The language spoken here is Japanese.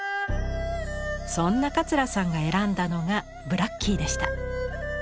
そんな桂さんが選んだのがブラッキーでした。